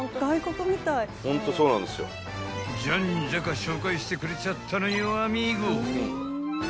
［じゃんじゃか紹介してくれちゃったのよアミーゴ］